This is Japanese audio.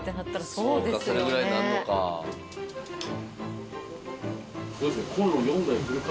そうかそれくらいなるのか。